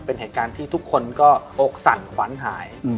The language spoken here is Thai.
เป็นเหตุการณ์ที่ทุกคนก็อกสั่นขวัญหาย